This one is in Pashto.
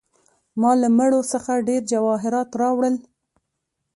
ما له مړو څخه ډیر جواهرات راوړل.